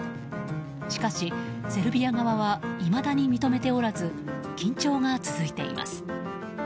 しかし、セルビア側はいまだに認めておらず緊張が続いています。